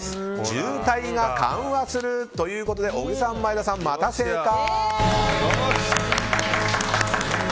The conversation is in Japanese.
渋滞が緩和する、ということで小木さん、前田さんまた正解！